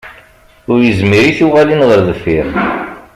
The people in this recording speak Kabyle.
Ur yezmir i tuɣalin ɣer deffir.